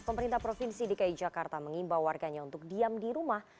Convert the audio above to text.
pemerintah provinsi dki jakarta mengimbau warganya untuk diam di rumah